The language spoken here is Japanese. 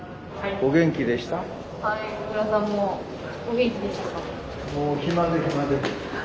お元気でしたか？